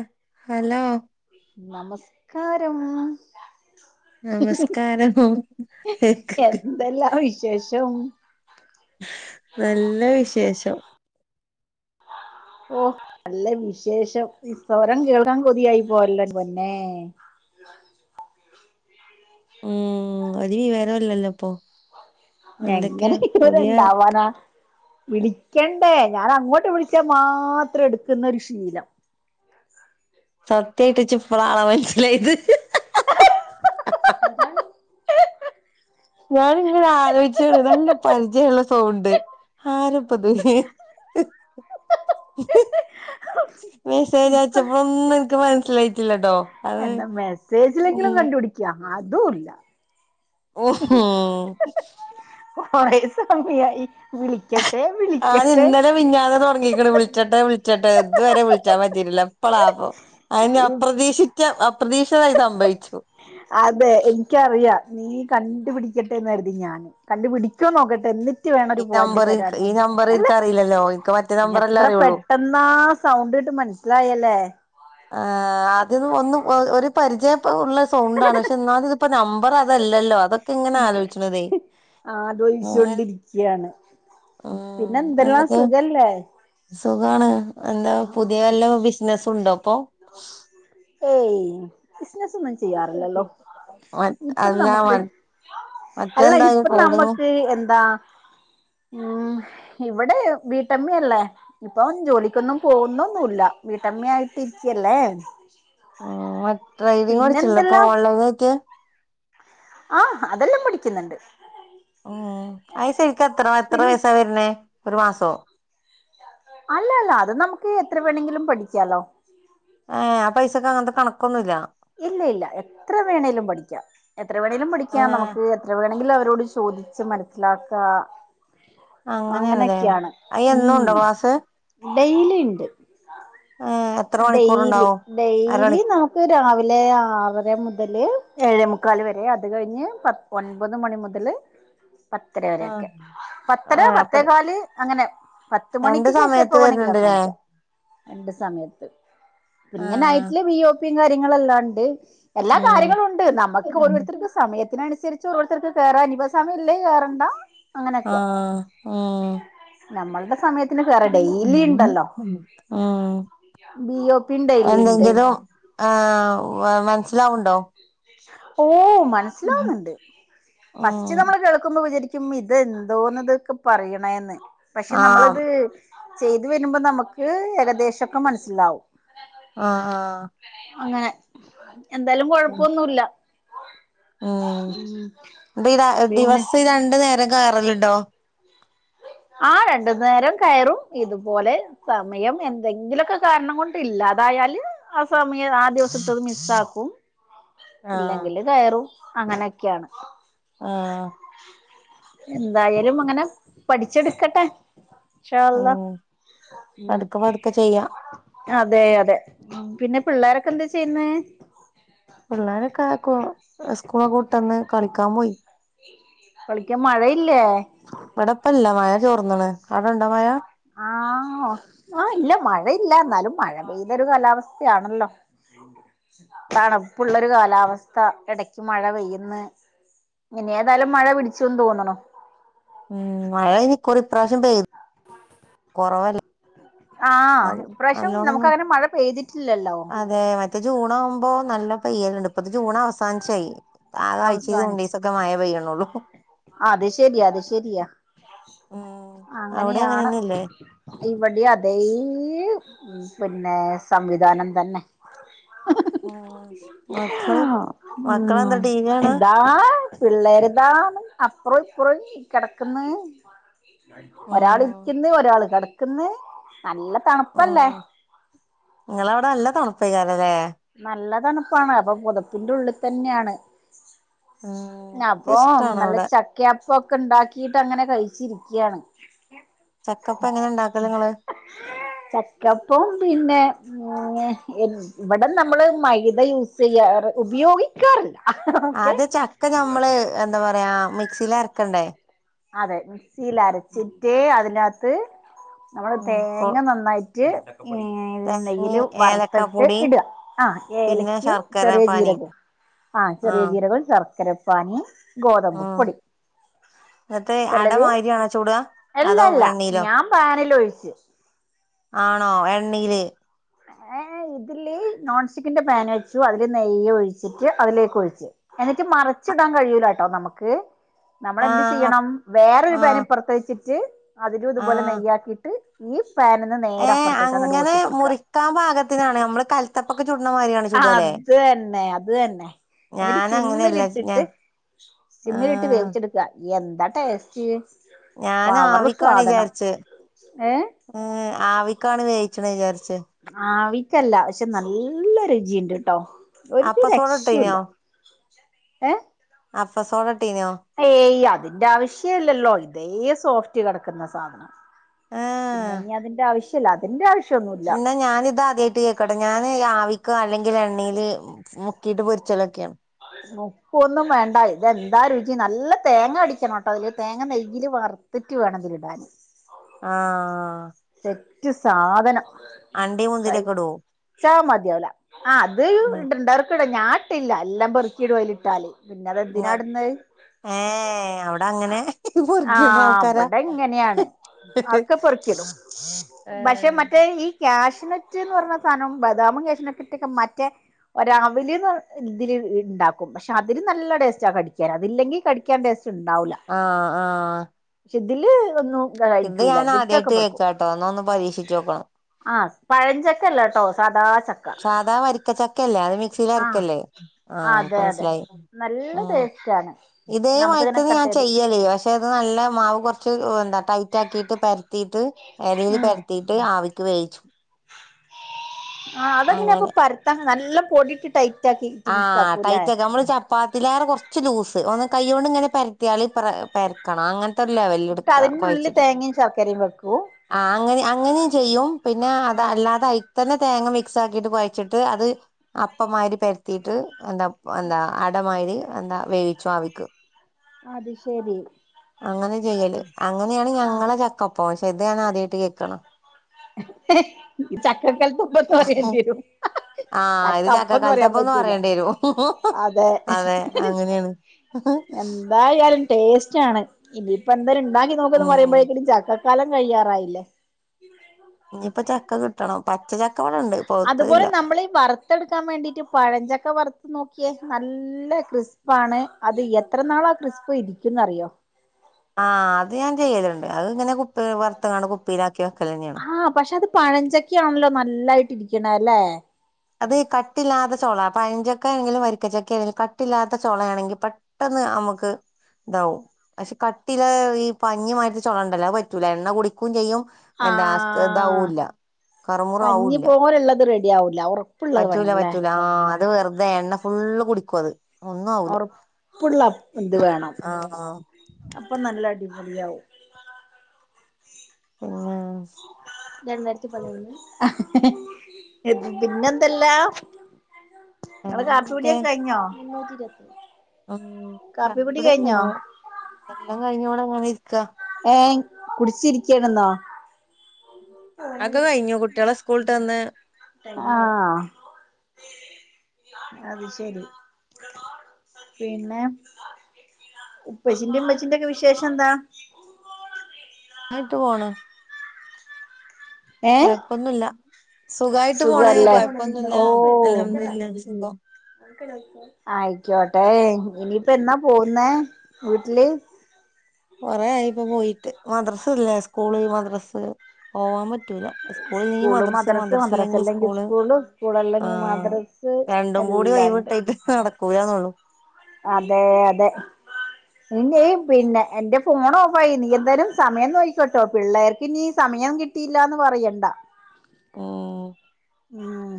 അ hello നമസ്കാരം. നമസ്കാരം എന്തല്ലാ വിശേഷം? നല്ല വിശേഷം. ഓ നല്ല വിശേഷം സ്വരം കേൾക്കാൻ കൊതിയായി പോയല്ലോ പൊന്നേ. മ്മ് ഒരു വിവരല്ലല്ലോ പ്പോ - എങ്ങനെ വിവരണ്ടവനാ. വിളിക്കണ്ടേ ഞാൻ അങ്ങോട്ട് വിളിച്ചാ മാത്രം എടുക്കുന്ന ഒരു ശീലം. സത്യായിട്ട് ചിപ്പളാ ആളെ മനസിലായത്. അതാണ് ഞാനിങ്ങനെ അലോയിച്ചാണ് നല്ല് പരിചയള്ള സൗണ്ട് ആരപ്പത് ഹ്. ഹ് മെസ്സേജ് ഇപ്പൊ അയച്ചപ്പോന്നും ഇനിക്ക് മനസ്സിലായിട്ടില്ലട്ടോ. അത് എന്താ മെസ്സേജിങ്കിലും ഉം കണ്ടുപിടിക്ക അതുംല്ല. ഓഹോ കൊറേ സമയായി. വിളിക്കട്ടെ ആ വിളിക്കട്ടെ ഞാനിന്നലെ മിഞ്ഞാന്ന് തൊടങ്ങീക്ക്ന വിളിച്ചട്ടെ വിളിച്ചട്ടെ ത് വരെ വിളിച്ചൻ പറ്റിറ്റില്ല. അതിനെ അപ്രതീക്ഷിച്ച. അപ്രതീക്ഷിതമായി സംഭവിച്ചു അതെ എനിക്കറിയാ. നീ കണ്ടു പിടിക്കട്ടെന്ന് കരുതി ഞാനും കണ്ടു പിടിക്കോ നോക്കട്ടെ ന്നിട്ട്- വേണ ഈ ഒരു പോയിന്റ് നമ്പർ തരാൻ ഈ നമ്പർ അല്ലെ എനിക്കറിയില്ലല്ലോ എനിക്ക് മറ്റേ നമ്പറല്ലേ എത്ര അറിയുള്ളൂ പെട്ടെന്ന- സൗണ്ട് കേട്ട് മനസ്സിലായല്ലേ. ആ അത് ഒന്നും ഒരു പരിചയ ഉള്ള സൗണ്ടാണ് പക്ഷെ എന്നാലും പ്പത്. നമ്പറതല്ലല്ലോ അതൊക്കെ ഇങ്ങനെ ആലോചിച്ചണതേ. ആലോചിച്ചോണ്ടിരിക്കയാണ് പിന്നെ മ്മ് എന്തെല്ലാം എന്തൊക്കെ സുഖല്ലേ സുഖാണ്. എന്താ പുതിയ വല്ല ബിസിനസുണ്ടോ പ്പോ? ഏയ് ബിസിനസൊന്നും ചെയ്യാറില്ലല്ലോ. ഇപ്പൊ അല്ല നമുക്ക് അല്ല മറ്റെന്താ ഇപ്പൊ ട്രേഡിങ് നമ്മുക്ക് എന്താ. ആം ഇവിടെ വീട്ടമ്മയല്ലേ ഇപ്പം ജോലിക്കൊന്നും പോകുന്നൊന്നുമല്ല വീട്ടമ്മയ ആായിട്ട്. ഇരിക്കല്ലേ. മ് മറ്റേ ഡ്രൈവിങ് പഠിച്ചണില്ലേ ഇപ്പൊ പിന്നെന്തെല്ലാം ഓൺലൈനായിട്ട്. ആഹ് അതെല്ലാം പടിക്കുന്നുണ്ട്. ഉം ആയി ശരിക്ക എത്ര എത്ര പിന്നെ വയസാ വരുന്നേ ഒരു മാസോ? അല്ല അല്ല അത് നമുക്ക് എത്ര വേണങ്കിലും പഠിക്കാലോ ഏ ആ പൈസൊക്കെ അങ്ങനത്തെ കണക്കൊന്നുല്ല. ഇല്ല ഇല്ല എത്ര വേണെേിലും പഠിക്കാം എത്ര വേണമെങ്കലും പഠിക്കാം ഏഹ് നമുക്ക് എത്ര വേണമെങ്കിലും അവരോട് ചോദിക്ക. മനസ്സിലാക്ക അങ്ങനെയാണല്ലേ അങ്ങനെയൊക്കെയാണ്. അത് എന്നും ഉണ്ടോ ക്ലാസ് ഡെയിലിണ്ട്. ഏഹ് എത്ര ഡെയ്‌ലി മണിക്കൂറുണ്ടാവും അരമണി ഡെയ്‌ലി നമുക്ക് രാവില- ലെ ആറര മുതല് ഏഴമുക്കാല് വരെ അത് കഴിഞ്ഞ് പ ഒൻപത് മണി മുതല് പത്തര ആഹ് വരെയൊക്കെ പത്തര ഏഹ് അപ്പൊ പത്തേകാല് അങ്ങനെ പത്ത് രണ്ട് മണിക്ക് ശേഷം എപ്പ സമയത്ത് വേണമെങ്കിൽ വരുന്നുണ്ടല്ലേ അവസാനിക്കാം രണ്ട് സമയത്ത് പിന്നെ ആഹ് നൈറ്റില് ബ ഒപിയും കാര്യങ്ങളെല്ലാംണ്ട് എല്ലാ ഉം കാര്യങ്ങളും ഉണ്ട് നമുക്ക് ഓരോരുത്തർക്ക് സമയത്തിനനുസരിച്ച് ഓരോർതർക്ക് കേയന് ഇനി സമയില്ലേ കയറണ്ടാ ആ ഉം നമ്മളുടെ സമയത്ത് ഉം ബി ഒ പിയും ഡെയിലി ഉണ്ട് എന്തെങ്കിലും ആ മനസ്സിലാവുണ്ടോ ഓ ഉം മനസ്സിലാവുന്നുണ്ട് ഫസ്റ്റ് ആഹ് നമ്മൾ കേൾക്കുമ്പോ വിചരി- ക്കും ഇതെന്തോന്ന് ഇതൊക്കെ പറയണേന്ന് പക്ഷെ ആഹ് നമ്മളിത് ചെയ്തു വരുമ്പോ നമുക്ക് ഏകദേശം ശം ഒക്കെ മനസ്സിലാവും ആഹ് അങ്ങനെ എന്താലും ഒന്നുല്ല ഉം ദിര പിന്നെ ദിവസം ഈ രണ്ടു നേരം കേയറലണ്ടോ ആ രണ്ടു നേരം കയറും ഇതുപോലെ സമയം എന്തെങ്കിലുമൊക്കെ കാരണം കൊണ്ട് ഇല്ലാതായ ല് ആ സമയം ആ ദിവസത്തത് മിസ്സ് ആക്കും ആഹ് ഇല്ലെങ്കില് കയറും അങ്ങനെയൊക്കെയാണ് ആഹ് എന്തായാലും അങ്ങനെ പഠിച്ചെടുക്കട്ടെ ഇൻഷാ അള്ളാ ഉം പതുക്കെ പതുക്കെ ചെയ്യാ അതെ അതെ പിന്നെ പിള്ളോരൊക്കെ എന്താ ചെയ്യുന്ന പിള്ളോരക്കെ സ്കൂള് കൂട്ട്ന്ന് കളിക്കാൻ പോയി കളിക്കാൻ മഴയില്ലേ ഇവിടെപ്പല്ല മഴ ചോർന്നാണ് അവിടെണ്ടോ മഴ ആ ആ ഇല്ല മഴയില്ല എന്നാലും മഴ പെയ്തൊരു കാലാവസ്ഥയാണല്ലോ തണുപ്പുള്ള ഒരു കാലാവസ്ഥ ഇടക്ക് മഴ പെയ്യന്ന് ഇനി ഏതായാലും മഴ പിടിച്ചുന്ന് തോന്നണു ഉം മഴ ഇനിക്കൊറിപ്രാവശ്യം പെയ്തു കൊറവല്ല ആഹ് ഇപ്രാവശ്യം നമുക്ക് നല്ലോണം അങ്ങനെ മഴ പെയ്തിട്ടില്ലല്ലോ അതെ മറ്റേ ജൂൺ ആകുമ്പോ നല്ല- പയ്യല്ലിണ്ട് ഇപ്പത് ജൂൺ അവസാനിച്ചായി ആ ആഴ്ച്ചാ രണ്ട് അവസാനിച്ച് ദുസ ഒക്കെ മായ പയ്യണള്ളു അത് ശെരി അത് ശെരിയാ ഉം അവിടെ അങ്ങനെയാണ് അങ്ങനെന്നെല്ലേ ഇവിടെ അതേ ഈ പിന്നെ സംവിധാനം തന്നെ ഓ ഉം വി കാണാ എന്താ പിള്ളേർതാണ് അപ്പറം ഇപ്പറം കിടക്കന്ന് ഒരാൾ ഉം ഇരിക്കുന്ന് ഒരാൾ കിടക്കന്ന് ഓ നിങ്ങളവിടെ അല്ല തണുപ്പയികാണില്ലേ നല്ല തണുപ്പാണ് അപ്പൊ പുതപ്പിന്റെ ഉള്ളിൽ തന്നെയാണ് ഉം അപ്പം ഇഷ്ടാണ് നല്ല അവിടെ ചക്ക- അപ്പൊക്കെ ഉണ്ടാക്കിട്ട് അങ്ങനെ കഴിച്ചിരികയാണ് ചക്കപ്പ എങ്ങനെ ഉണ്ടാക്കല് നിങ്ങള് ചക്കപ്പം പിന്നെ ഉം ഇവിടെ നമ്മള് മൈദ യൂസ് ചെയ്യാറ് ഉപയോഗിക്കാറില്ല ഓക്കെ അത് ചക്ക ഞമ്മള് എന്താ പറയാ മിക്സിൽ അരക്കണ്ടേ അതെ മിക്സിൽ അരച്ചിട്ട് അതിനകത്ത് നമ്മള് ഉം പൊ തേങ്ങ നന്നായിട്ട് ഉം എണ്ണയിലെ തേങ്ങയും വറുത്തിട്ട് ഏലക്കാപ്പൊടിയും ഇടുക ആ പിന്നെ ഏലക്കും ശർക്കര ചെറിയ പാനിയും ജീരകവും ആ ചെറിയ ആഹ് ജീരകം ശർക്കരപ്പാനി ഉം ഗോതമ്പ്പ്പൊടി എന്നിട്ട് അട ചിലര് മാതിരിയാണോ ചുടുക അതോ എല്ലല്ല എണ്ണയിലോ ഞാൻ പാനിൽ ഒഴിച്ചു ആണോ എണ്ണയില് ഏ ഇതിലെ നോൺ സ്റ്റിക്കിന്റെ പാൻച്ചു അതില് നെയ്യോ ഒഴിച്ചിട്ട് അതിലേക്ക് ഒഴിച്ചു എന്നിട്ട് മറി ച്ചിടാൻ കഴിയൂല കേട്ടോ നമുക്ക് നമ്മളെന്ത് ആഹ് അപ് ചെയ്യണം വേറൊരു പാൻ ആഹ് ഇപ്പുറത്ത് വെച്ചിട്ട് അതിലും ഇതുപോലെ ആഹ് നെയ്യാക്കിയിട്ട് പാനീന്ന് നേരെ ഏഹ് അപ്പുറത്തേക്ക് അങ്ങോട്ട് അങ്ങനെ കൊട്ടിക്കൊടുക്കുക മുറിക്കാൻ പാകത്തിനാണ് നമ്മള് കൽത്തപ്പൊക്കെ ചുടണ മാതിരിയാണ് ചുടുകല്ലേ അത് തന്നെ അത് തന്നെ എന്നിട്ട് ഞാൻ അങ്ങനെയല്ല സിമ്മിലിട്ടിട്ട് ഞാൻ സിമ്മിലിട്ട് ആഹ് വേവിച്ചെടുക്കുക എ എന്താ ടേസ്റ്റ് ഞാൻ പവർ ആവിക്കാണ് സാധനം വിചാരിച്ച് ഏ ഉം ആവിക്കാണ് വേവിച്ച് വിചാരി ആവിക്കല്ല പക്ഷെ നല്ല രുചിയുണ്ട് ട്ടോ ഒരു അപ്പസോഡ രക്ഷയും ഇല്ല ഇട്ടീനോ ഏ അപ്പ സോട ഏയ് അതിന്റെ ആവശ്യല്ലല്ലോ ഇതേ സോഫ്റ്റ് കിടക്കുന്ന സാധനം പിന്നെ ഇനി അതിന്റെ ആവശ്യല്ല അതിന്റെ ആവശ്യ ഇന്നാ ഞാനിത് ആദ്യമായിട്ട് കേൾക്കട്ടെ ഞാന് രവിക്ക് അല്ലെങ്ക എണ്ണിയിൽ മുക്കിട്ട് പൊരിച്ചലൊക്കെയാണ് മുപ്പൊന്നും വേണ്ട ഇതെന്താ രുചി നല്ല തേങ്ങ അടിക്കണം ട്ടോ അതില് തേങ്ങ നെയ്യും വറുത്തിട്ട് വേണം തിരിടാൻ ആഹ മറ്റ് സാധനം കൈ മുന്തിരിയൊക്കെ ഇടുവോ ചാ മതിവല ആ അത് ഉം ഇണ്ടണ്ടക്ക ഇട ഞാട്ട ഇിട്ടില്ല എല്ലാം പെറുക്കിടു പോലിട്ടാല് പിന്നെ അതെന്തിനാടന്ന് ഏ അവിടെ അങ്ങനെ പുറഗണ ആൾക്കാരാ അക്കെ പറക്കലും പക്ഷെ ഏഹ് മറ്റേ ഈ ഷ് ന്ന് പറഞ്ഞ സാധനം ബദാമും കേശനക്കെറ്റൊക്കെ മറ്റേ ഒരാവിലിന്ന് ഇതിൽ ഉണ്ടാക്കും പക്ഷെ അതില് നല്ല ടേസ്റ്റ ആ കടിക്കാൻ അതില്ലെങ്കിൽ കടിക്കാൻ ടേസ്റ്റ് ആഹ ആഹ ഇതിൽ ഒന്നും കഴിക്കൂല വിത്തൊക്കെ ആദ്യായിട്ട് പറക്കും കേക്കാട്ടോ എന്നാ ഒന്ന് പരീക്ഷിച്ച് നോക്കണം ആ പഴഞ്ചൊക്കെല്ലേ കേട്ടോ സദാ പക്ഷെ അദാ വരരിക്കച്ചക്കയല്ലേ അത് മിക്സിൽ ആഹ് അരക്കല്ലേ ആഹ ഇപ്പ അതെ അതെ മനസിലായി നല്ല ഉ ടേസ്റ്റാണ് ഇതേ നമുക്കിങ്ങനെ മയത്തിന്ന് ഞാൻ കട്ടെയ്ത് ചെയ്യലേ പക്ഷെ അത് നല്ല മാവ് കുറച്ച് എന്താ ടൈറ്റ് ആാക്കിട്ട് പരത്തിയിട്ട് ഇലൽ ഉം പരത്തിട്ട് ആവിക്ക് വേവിച്ചു ആഹ അതെങ്ങനെയാ അപ്പൊ അങ്ങനെ പരത്താ നല്ല പൊടിയിട്ടിട്ടായി ആഹ ടൈറ്റ്ക്കെ നമ്മള് ചപ്പാത്തിൽോര കുറച്ച് ലൂസ് ഒന്ന് കൈയ്യോണ്ട് ഇങ്ങനെ പരത്തിയാൽ ഇ പരക്കണം അങ്ങന അല്ല വ എന്നിട്ട് എടുക്ക അതിന്റെ ഉള്ളില് കുഴച്ചിട്ടും തേങ്ങയും ശർക്കരയും വെക്കും ആ അങ്ങ അങ്ങന ചെയ്യും പിന്നെ അത് അല്ലാതെ അ തന്നെ തേങ്ങ മിക്സ് ആാക്കിട്ട് കുഴച്ചിട്ട് അത് അപ്പമാരി പരത്തിയിട്ട് അന്ത അന്ത അടമായിര് അന്താ വേവിച്ചു ആവിക്ക് അത് ശെരി അങ്ങനെ ചെയ്യല് അങ്ങനെയാണ് ആഹ് ഞങ്ങളെ ചക്കപ്പ പക്ഷെ ഇത് ഞാൻ ആദ്യമായിട്ട് കേൾക്കണ ചക്കക്കൽ തുമപ്പ തറയതിരു ആഹ് തക്ക ഇത് അപ്പന്ന് പറയാൻ ചക്കക്കാലത്തപ്പന്ന് പറ്റൂല പറയേണ്ടി വരും അതെ എന്തായാലും ടേസ്റ്റ് ആണ് ഇനിയിപ്പ എന്തായാലും ഉണ്ടാക്കി നോക്കന്ന് ഉം പറയുമ്പോഴേക്കടും ചാക്ക കലം കഴിയാറായില്ലേ ഇനിയിപ്പ ചക്ക കിട്ടണം പച്ച ച്ച അതുപോലെ നമ്മള് വറുത്തെടുക്കാൻ വേണ്ടിട്ട് പഴഞ്ചക്ക വറുത്ത് നോക്ക യഹ നല്ല ക്രിസ്പാണ് അത് എത്ര നാളാ ക്രിസ്പ് ഇരിക്കുംന്ന് അറിയോ. ആഹ് അത് ഞാൻ ചെയ്യലുണ്ട് അത് ഇങ്ങനെ കുപ്പി വറത്ത കാണ കുപ്പിയിലാക്കി വക്കെല്ലന്യാണ്. പഴഞ്ചക്ക ആണല്ലോ നല്ലായിട്ടിരിക്കണ അല്ലെ. അത് കട്ടില്ലാത്ത ചോള പഴഞ്ചക്ക ആണെങ്കിലും വരിക്കച്ചക്ക ആണങ്കിലും കട്ടില്ലാത്ത ചൊളയാണെങ്കിൽ പെട്ട ന്ന് നമുക്ക്. ഇതാവും പക്ഷെ കട്ടിലായി ഈ പനിമായിരത്തി ചൊളണ്ടല്ലോ പറ്റൂല എണ്ണ കുടിക്കും ചെയ്യും. ആ എന്താ ഇതാവൂല്ല കറുമുറു പഞ്ഞി ആവൂല്ല പോല ഉള്ളത് റെഡി ആവൂല ഓർ പറ്റൂല പറ്റൂല ആ അത് വെറുതെ എണ്ണ ഫുള്ള് കുടിക്കും അത്. ഒന്നും ആവൂല ഒറപ്പുള്ള എന്ത് വേണം ആഹ് അപ്പൊ നല്ല അടി അലിയാവു പിനെ. രണ്ടായിരത്തി പതിമൂന്ന് പിന്നെ എന്തല്ലാ. ഇങ്ങളെ അങ്ങനൊക്കെ കാപ്പൂടിയൊക്കെ കഴിഞ്ഞോ. ഉം കാപ്പി കാപ്പികുടി കുടിക്കെ കഴിഞ്ഞോ കയിഞ്ഞു എല്ലാം കഴിഞ്ഞ ഇവിടെ ഇങ്ങനെ ഇ ഏ കുടിച്ചിരിക്കണെന്നോ. അതൊക്കെ കഴിഞ്ഞു കുട്ടികളെ സ്കൂളിട്ട് വന്ന് ആഹ. അത് ശരി പിന്നെ. ഉപ്പച്ചിന്റെ ഉമ്മച്ചിന്റെറെ ഒക്കെ വിശേഷം എന്താ. നന്നായിട്ട് പോണ്. ഏ കൊയപ്പൊന്നുല്ല. സുഖായിട്ട് പോണ് സുഖല്ലേ കൊഴപ്പൊന്നുല്ല ഓ അൽഹംദുലുള്ള ബിസിമി ആയിക്കോട്ടെ ഇനിയിപ്പോ എന്നാ പോവുന്നേ വീട്ടില്. കൊറെ ആയി ഇപ്പ പോയിട്ട് മദ്രസ് ഇല്ലേ സ്കൂള് മദ്രസ് പോവാൻ പറ്റൂല. ഉസ്കൂളിലെങ്കിൽ സ്കൂള് മദ്രസ് മദ്രസ മദ്രസല്ലെങ്കിൽ അല്ലെങ്കിൽ സ്കൂള് സ്കൂൾ ആ അല്ലെങ്കിൽ മദ്രസ് രണ്ടും കൂടി. എല്ലാണ്ട് ട്ടായിട്ട് നടക്കൂലന്നൊള്ളു. അതെ അതെ. പിന്നെ പിന്നെ എന്റെ ഫോൺ ഓഫായി നീ എന്തായാലും സമയം നോയിക്കോട്ടോ പിള്ളേർക്ക് നീ സമയ മയം കിട്ടിയില്ലന്ന് പറയണ്ട. മ്മ്. ഉം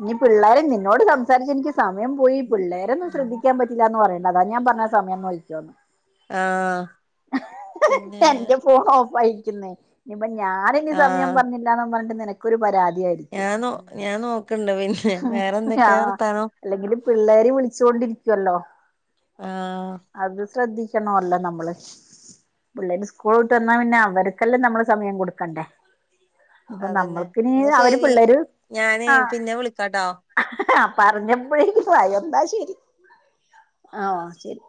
ഇനി പിള്ളേരെ നിന്നോട് സംസാരിച്ച് നിക്ക്. സമയം പോയി പിള്ളേരൊന്നും സ്രെദ്ധിക്കാൻ പറ്റില്ലാന്ന് പറയേണ്ട അതാ ഞാൻ പറഞ്ഞ സമയം നോക്കിക്കൊന്ന്. ആ പിന്നെ. വഹിക്കുന്നേ ഇനിപ്പ ഞാന ഇനി ആ സമയം പറഞ്ഞില്ലാന്നും പറഞ്ഞിട്ട് നിനക്കൊരു പരാതിയായിരിക്കും. ഞാൻ നോ ഞാൻ നോക്കണ്ട് പിന്നെ വേറെ ആ എന്തൊക്കെയാ വർത്താനം അല്ലെങ്കില് പിള്ളേര് വിളിച്ചൊണ്ടിരി ല്ലോ ആ അത് ശ്രദ്ധി നമ്മള് പിള്ളേര് സ്കൂള് വിട്ട് വന്നാൽ പിന്നെ അവര്ക്കല്ലേ നമ്മൾ സമയം കൊടുക്കണ്ടേ അപ്പൊ അതന്നെ നമ്മൾക്കിന എന്നാ അവര് ശരി പിള്ളേര്. ഞാന് പിന്നെ വിളിക്കാട്ടാ. ആ പറഞ്ഞപ്പോഴേക്ക് പോയോ ന്നാ ശരി. ആ ശരി.